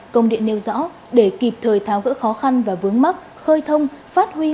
công điện nêu rõ để kịp thời tháo gỡ khó khăn và vướng mắc khơi thông phát huy nguồn lực đất đa